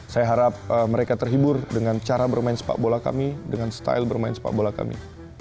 saya harap mereka terhibur dengan cara bermain sepak bola kami dengan style bermain sepak bola kami